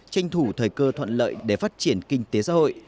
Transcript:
tranh thủ thời cơ thuận lợi để phát triển kinh tế xã hội